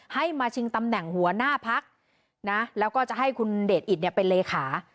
ให้มาชิงตำแหน่งหัวหน้าพักนะแล้วก็จะให้คุณเดชอิตเป็นเลขา